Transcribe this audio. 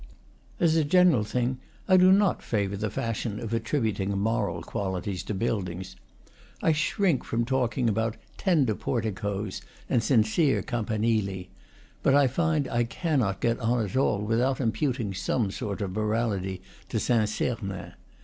As a general thing, I do not favor the fashion of attributing moral qualities to buildings; I shrink from talking about tender porticos and sincere campanili; but I find I cannot get on at all without imputing some sort of morality to Saint Sernin.